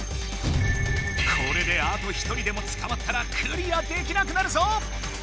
これであと一人でもつかまったらクリアできなくなるぞ。